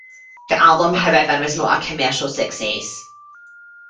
The album, however, was not a commercial success.